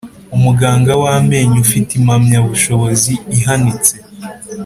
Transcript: Umuganga w amenyo ufite Impamyabushobozi ihanitse